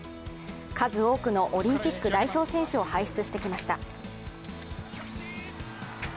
数多くのオリンピック代表選手を輩出してきました。